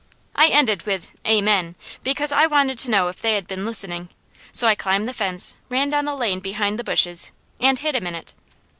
I ended with "Amen," because I wanted to know if they had been listening; so I climbed the fence, ran down the lane behind the bushes, and hid a minute.